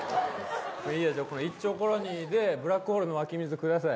まあ、いいや、１兆コロニーでブラックホールの湧き水をください。